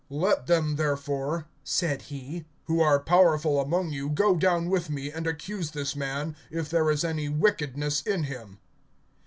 (5)Let them therefore, said he, who are powerful among you, go down with me, and accuse this man, if there is any wickedness in him.